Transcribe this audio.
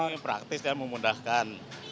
ini praktis dan memudahkan